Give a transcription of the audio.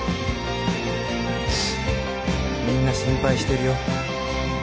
「みんな心配してるよ」